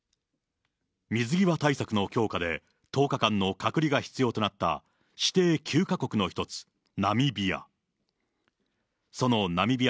水際対策の強化で、１０日間の隔離が必要となった指定９か国の一つ、ナミビア。